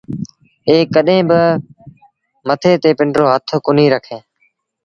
ائيٚݩ ڪڏهين با مٿي تي پنڊرو هٿ ڪونهيٚ رکي